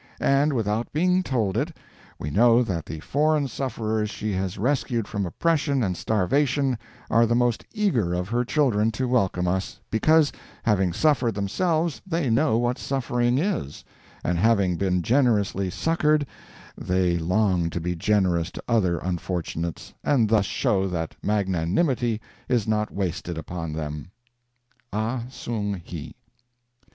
And, without being told it, we know that the foreign sufferers she has rescued from oppression and starvation are the most eager of her children to welcome us, because, having suffered themselves, they know what suffering is, and having been generously succored, they long to be generous to other unfortunates and thus show that magnanimity is not wasted upon them. AH SONG HI.